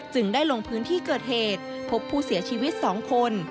ได้ลงพื้นที่เกิดเหตุพบผู้เสียชีวิต๒คน